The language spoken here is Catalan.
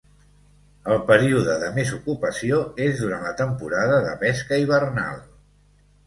El període de més ocupació és durant la temporada de pesca hivernal.